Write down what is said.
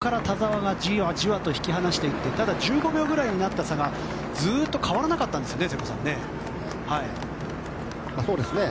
そこから田澤がじわじわと引き離していってただ、１５秒くらいになった差がずっと変わらなかったんですよね。